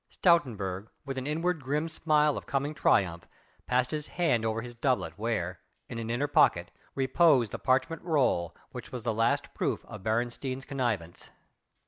Stoutenburg with an inward grim smile of coming triumph passed his hand over his doublet where in an inner pocket reposed the parchment roll which was the last proof of Beresteyn's connivance.